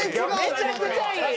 めちゃくちゃいい！